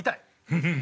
うん。